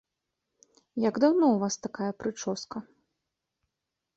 Як даўно ў вас такая прычоска?